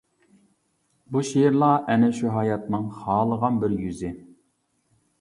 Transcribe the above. بۇ شېئىرلار ئەنە شۇ ھاياتنىڭ خالىغان بىر يۈزى.